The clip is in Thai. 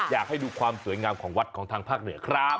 อยากให้ดูความสวยงามของวัดของทางภาคเหนือครับ